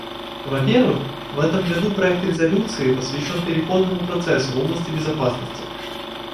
Вопервых, в этом году проект резолюции посвящен переходному процессу в области безопасности.